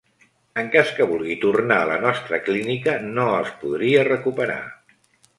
En cas que vulgui tornar a la nostra clínica no els podria recuperar.